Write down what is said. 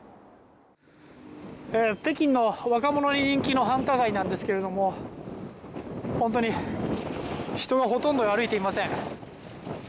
北京の若者に人気の繁華街なんですけれども本当に人がほとんど歩いていません。